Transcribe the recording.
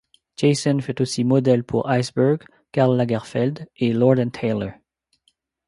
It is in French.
Jason fut aussi modèle pour Iceberg, Karl Lagerfeld et Lord & Taylor.